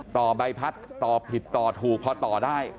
ต่อใบพัดต่อผิดต่อถูกพอต่อได้